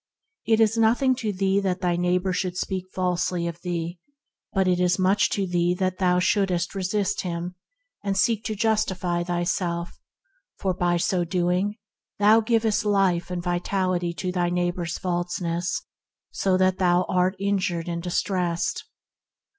It is nothing to thee that thy neighbor should speak falsely of thee, but it is much to thee that thou shouldst resist him, and seek to justify thyself, for, by so doing, thou givest life and vitality to thy neigh bor's falseness, so that thou art injured and distressed.